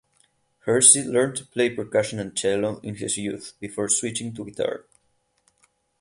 Hersey learned to play percussion and cello in his youth before switching to guitar.